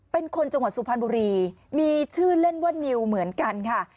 เป็นคนจังหวัดสุพรรณบุรีมีชื่อเล่นว่านิวเหมือนกันค่ะ